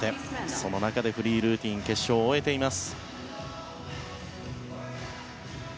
その中でフリールーティン決勝を終えています。